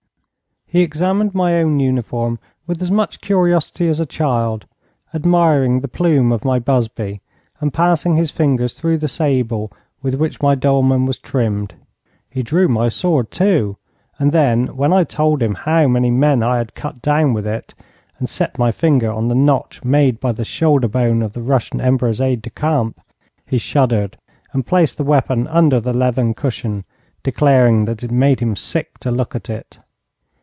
He examined my own uniform with as much curiosity as a child, admiring the plume of my busby, and passing his fingers through the sable with which my dolman was trimmed. He drew my sword, too, and then when I told him how many men I had cut down with it, and set my finger on the notch made by the shoulder bone of the Russian Emperor's aide de camp, he shuddered and placed the weapon under the leathern cushion, declaring that it made him sick to look at it.